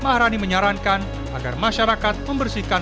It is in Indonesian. mahrani menyarankan agar masyarakat membersihkan